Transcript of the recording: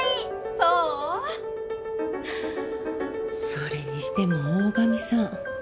それにしても大神さん